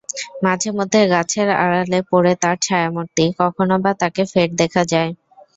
মাঝেমধ্যে গাছের আড়ালে পড়ে তার ছায়ামূর্তি, কখনো-বা তাকে ফের দেখা যায়।